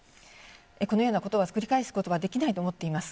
このようなことを繰り返すことはできないと思っています。